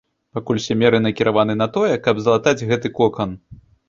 Пакуль усе меры накіраваныя на тое, каб залатаць гэты кокан.